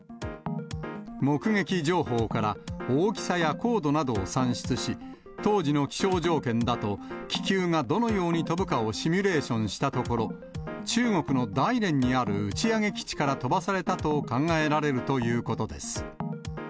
目撃情報から大きさや高度などを算出し、当時の気象条件だと、気球がどのように飛ぶかをシミュレーションしたところ、中国の大連にある打ち上げ基地から飛ばされたと考えられるということです。